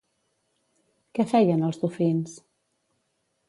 Què feien els dofins?